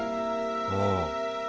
ああ。